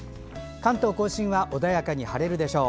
関東・甲信は穏やかに晴れるでしょう。